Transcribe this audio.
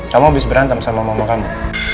kamu habis berantem sama mama kamu